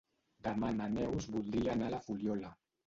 Demà na Neus voldria anar a la Fuliola.